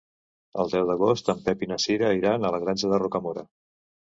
El deu d'agost en Pep i na Cira iran a la Granja de Rocamora.